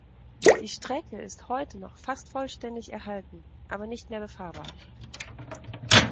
Die Strecke ist heute noch fast vollständig erhalten, aber nicht mehr befahrbar.